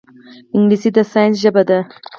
انګلیسي د ساینس ژبه ده